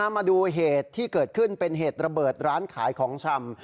มาดูเหตุที่เกิดขึ้นเป็นเหตุระเบิดร้านขายของชำ